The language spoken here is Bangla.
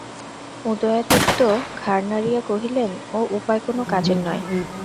উদয়াদিত্য ঘাড় নাড়িয়া কহিলেন, ও উপায় কোনো কাজের নয়।